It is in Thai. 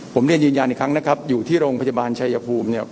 ผมเรียนยืนยันอีกครั้งนะครับอยู่ที่โรงพยาบาลชายภูมิเนี่ย